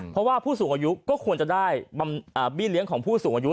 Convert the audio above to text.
เพราะว่าผู้สูงอายุก็ควรจะได้เบี้เลี้ยงของผู้สูงอายุ